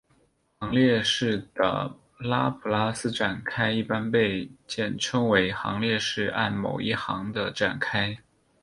行列式的拉普拉斯展开一般被简称为行列式按某一行的展开。